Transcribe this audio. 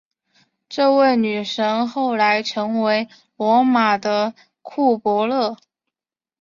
这位女神后来成为罗马的库柏勒。